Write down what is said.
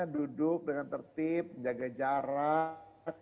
duduk dengan tertib menjaga jarak